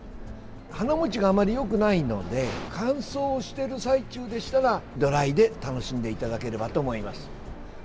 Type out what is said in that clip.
花もちがあまりよくないので乾燥している最中でしたらドライで楽しんでいただければと思います。